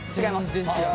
全然違う。